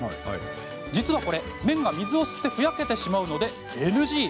実はこれ、麺が水を吸ってふやけてしまうのでＮＧ。